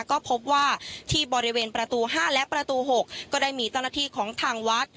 ก็พบว่าที่บริเวณประตู๕และประตู๖ก็ได้มีเจ้าหน้าที่ของทางวัด